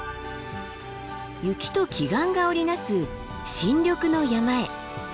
雪と奇岩が織り成す新緑の山へ。